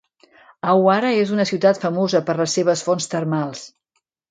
Awara és una ciutat famosa per les seves fonts termals.